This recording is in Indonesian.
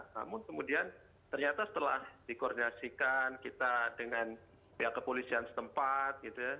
namun kemudian ternyata setelah dikoordinasikan kita dengan pihak kepolisian setempat gitu ya